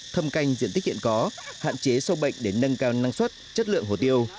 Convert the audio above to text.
thâm canh diện tích hiện có hạn chế sâu bệnh để nâng cao năng suất chất lượng hồ tiêu